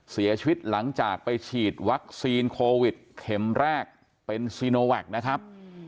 เสียชีวิตหลังจากไปฉีดวัคซีนโควิดเข็มแรกเป็นซีโนแวคนะครับ